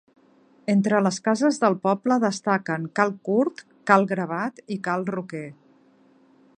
Entre les cases del poble destaquen Cal Curt, Cal Gravat i Cal Roquer.